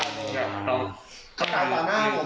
มีคนบอกว่าตายตายต่างออก